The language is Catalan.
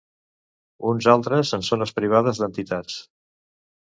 uns altres en zones privades d'entitats